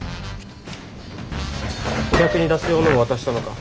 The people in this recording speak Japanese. お客に出す用のを渡したのか？